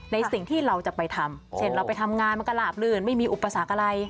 ในสิ่งที่เราจะไปทำเช่นเราไปทำงานมันก็หลาบลื่นไม่มีอุปสรรคอะไร